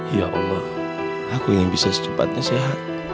ya allah aku ingin bisa secepatnya sehat